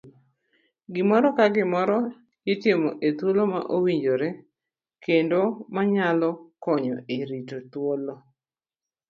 Gimoro ka moro itimo e thuolo ma owinjore kendo manyalo konyo e rito thuolo.